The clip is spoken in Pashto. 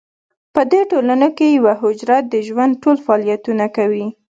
په دې ټولنو کې یوه حجره د ژوند ټول فعالیتونه کوي.